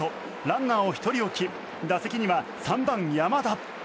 ランナーを１人置き打席には３番、山田。